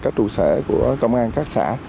các trụ sở của công an các xã